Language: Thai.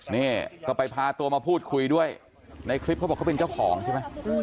นี่ก็ไปพาตัวมาพูดคุยด้วยในคลิปเขาบอกเขาเป็นเจ้าของใช่ไหม